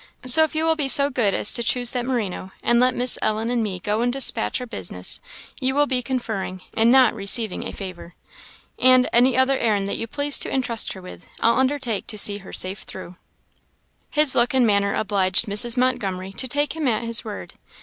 So if you will be so good as to choose that merino, and let Miss Ellen and me go and despatch our business, you will be conferring, and not receiving, a favour. And any other errand that you please to intrust her with, I'll undertake to see her safe through." His look and manner obliged Mrs. Montgomery to take him at his word.